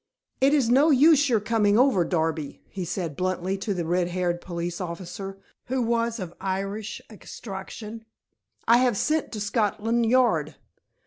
"It is no use your coming over, Darby," he said bluntly to the red haired police officer, who was of Irish extraction. "I have sent to Scotland Yard."